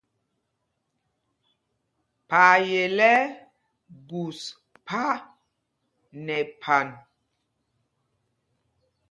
Phayel ɛ́ ɛ́ gus phā nɛ phan.